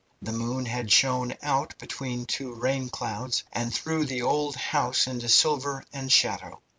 The moon had shone out between two rain clouds, and threw the old house into silver and shadow.